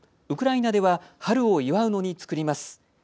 ウクライナでは春を祝うのに作ります。